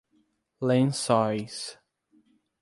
Lençóis